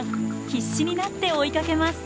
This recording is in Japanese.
必死になって追いかけます。